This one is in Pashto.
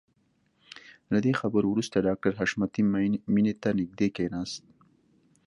له دې خبرو وروسته ډاکټر حشمتي مينې ته نږدې کښېناست.